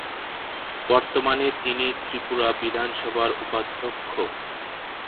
বর্তমানে তিনি ত্রিপুরা বিধানসভার উপাধ্যক্ষ।